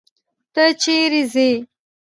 ته چيري ځې؟